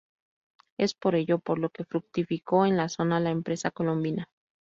Es por ello por lo que fructificó en la zona la empresa colombina.